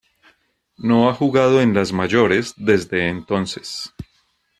No ha jugado en las mayores desde entonces.